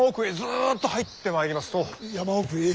山奥へ？